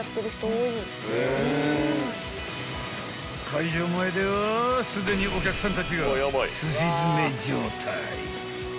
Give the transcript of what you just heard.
［会場前ではすでにお客さんたちがすし詰め状態］